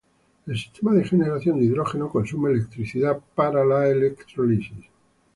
El sistema de generación de hidrógeno consume electricidad para la electrólisis.